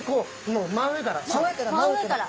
もう真上から。